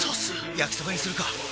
焼きそばにするか！